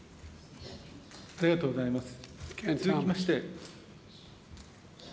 ありがとうございます。